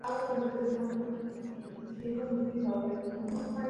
Su poder dura hasta la guerra entre los partidarios de ambos.